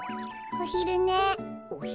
おひるね？